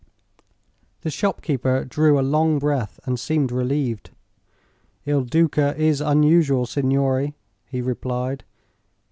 The shopkeeper drew a long breath and seemed relieved. "Il Duca is unusual, signore," he replied.